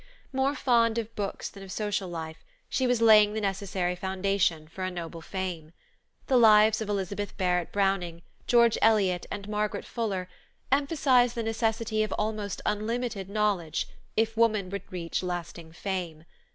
More fond of books than of social life, she was laying the necessary foundation for a noble fame. The lives of Elizabeth Barrett Browning, George Eliot, and Margaret Fuller, emphasize the necessity of almost unlimited knowledge, if woman would reach lasting fame.